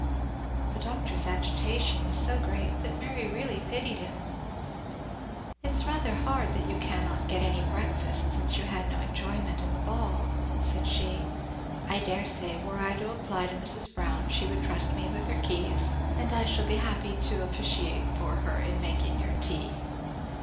The Doctor's agitation was so great that Mary really pitied him. "It is rather hard that you cannot get any breakfast since you had no enjoyment in the ball," said she. "I daresay, were I to apply to Mrs. Brown, she would trust me with her keys; and I shall be happy too officiate for her in making your tea."